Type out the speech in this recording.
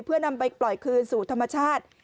เพื่อนำไปปล่อยคืนสู่ธรรมชาติ